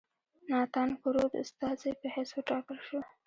ناتان کرو د استازي په حیث وټاکل شو.